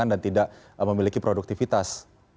dan tidak memiliki produktivitas